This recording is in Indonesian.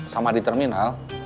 sama di terminal